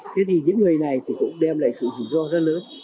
thế thì những người này thì cũng đem lại sự rủi ro rất lớn